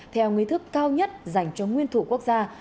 theo nguyên thức cao nhất dành cho nguyên thủ quốc gia